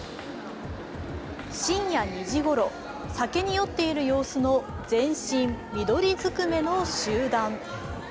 深夜２時頃、酒に酔っている様子の全身緑ずくめの集団。